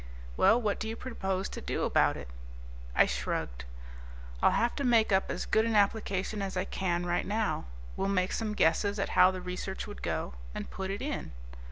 "Well, what do you propose to do about it?" I shrugged. "I'll have to make up as good an application as I can right now. We'll make some guesses at how the research would go, and put it in."